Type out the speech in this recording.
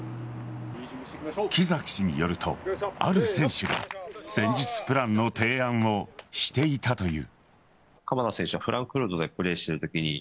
木崎氏によると、ある選手が戦術プランの提案をしていたという。